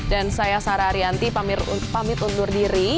dan saya sarah ariyanti pamit undur diri